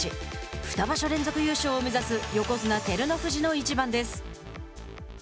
二場所連続優勝を目指す横綱・照ノ富士の一番です。